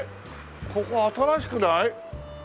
ここ新しくない？